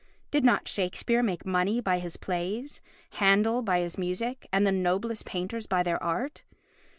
Did not Shakespeare make money by his plays, Handel by his music, and the noblest painters by their art?